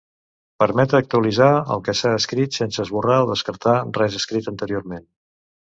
Permet actualitzar el que s'ha escrit sense esborrar o descartar res escrit anteriorment.